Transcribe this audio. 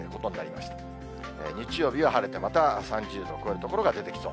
日曜日は晴れて、また３０度を超える所が出てきそう。